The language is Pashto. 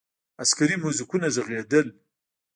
عسکري موزیکونه ږغېدل.